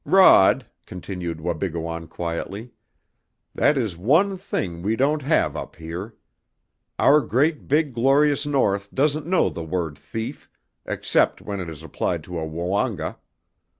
"Rod," continued Wabigoon quietly, "that is one thing we don't have up here. Our great big glorious North doesn't know the word thief, except when it is applied to a Woonga.